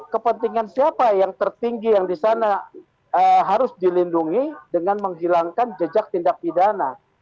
kepentingan siapa yang tertinggi yang di sana harus dilindungi dengan menghilangkan jejak tindak pidana